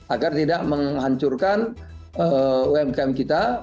agar tidak menghancurkan umkm kita